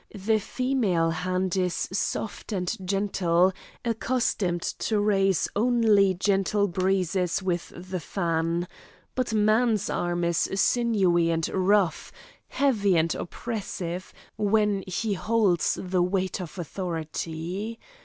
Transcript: The female hand is soft and gentle, accustomed to raise only gentle breezes with the fan; but man's arm is sinewy and rough, heavy and oppressive, when he holds the weight of authority.